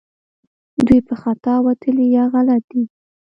دوی په خطا وتلي یا غلط دي